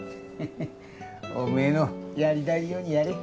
フフおめぇのやりたいようにやれ。